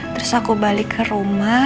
terus aku balik ke rumah